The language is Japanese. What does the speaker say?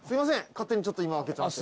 勝手にちょっと今開けちゃって。